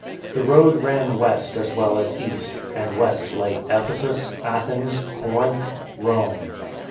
The road ran west as well as east — and west lay Ephesus, Athens, Corinth, Rome.